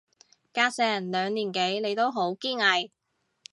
隔成兩年幾你都好堅毅